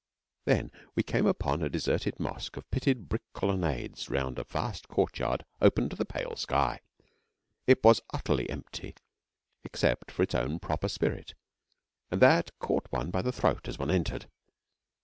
Then we came upon a deserted mosque of pitted brick colonnades round a vast courtyard open to the pale sky. It was utterly empty except for its own proper spirit, and that caught one by the throat as one entered.